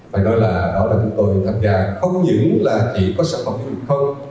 phải nói là đó là chúng tôi tham gia không những là chỉ có sản phẩm du lịch không